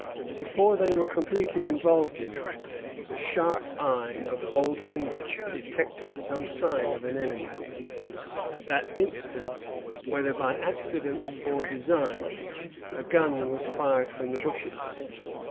Before they were completely involved in it, the sharp eye of old Hendrick detected some sign of an enemy. At that instant, whether by accident or design, a gun was fired from the bushes.